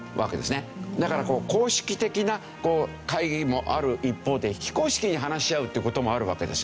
だから公式的な会議もある一方で非公式に話し合うっていう事もあるわけです。